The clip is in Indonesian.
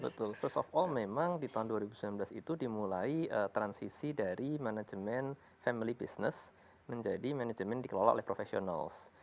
betul first of all memang di tahun dua ribu sembilan belas itu dimulai transisi dari manajemen family business menjadi manajemen dikelola oleh profesional